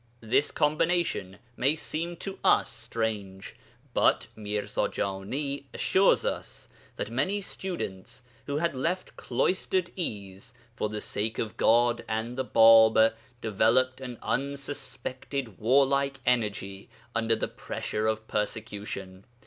This combination may seem to us strange, but Mirza Jani assures us that many students who had left cloistered ease for the sake of God and the Bāb developed an unsuspected warlike energy under the pressure of persecution.